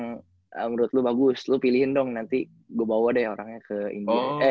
yang menurut lo bagus lo pilihin dong nanti gue bawa deh orangnya ke india